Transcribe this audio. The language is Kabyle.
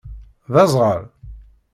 D aẓɣal?